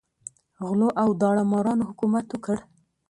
غلو او داړه مارانو حکومت وکړ.